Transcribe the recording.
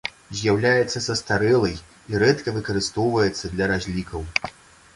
З'яўляецца састарэлай і рэдка выкарыстоўваецца для разлікаў.